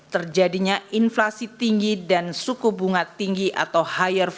terjadinya inflasi tinggi dan suku bunga tinggi atau higher